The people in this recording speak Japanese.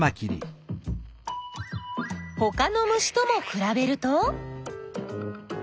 ほかの虫ともくらべると？